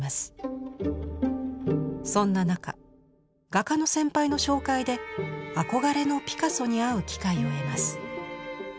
そんな中画家の先輩の紹介で憧れのピカソに会う機会を得ます。